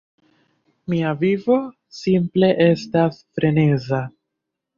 Mia vivo simple estas freneza